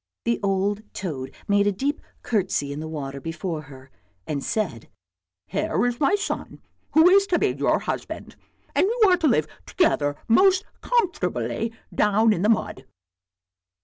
The old toad made a deep curtsey in the water before her, and said, " Here is my son, who is to be your husband, and you are to live together most comfortably down in the mud."